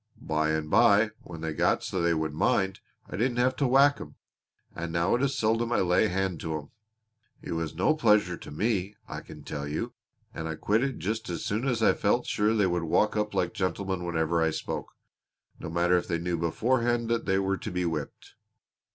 By and by when they got so they would mind, I didn't have to whack 'em, and now it is seldom I lay hand to 'em. It was no pleasure to me, I can tell you, and I quit it just as soon as I felt sure they would walk up like gentlemen whenever I spoke, no matter if they knew beforehand that they were to be whipped.